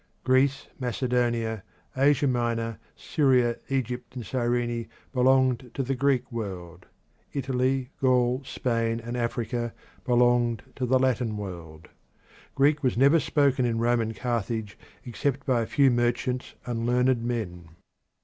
Greece, Macedonia, Asia Minor, Syria, Egypt, and Cyrene belonged to the Greek world; Italy Gaul, Spain, and Africa belonged to the Latin world. Greek was never spoken in Roman Carthage except by a few merchants and learned men.